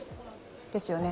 ですよね？